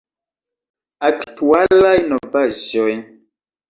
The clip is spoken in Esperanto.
Aktualaj novaĵoj!